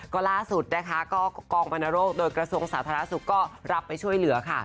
ก็ล่าสุดนะคะก็กองบรรณโรคโดยกระทรวงสาธารณสุขก็รับไปช่วยเหลือค่ะ